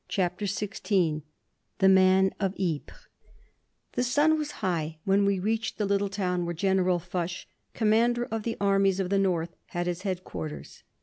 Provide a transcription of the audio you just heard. CHAPTER XVI THE MAN OF YPRES The sun was high when we reached the little town where General Foch, Commander of the Armies of the North, had his headquarters.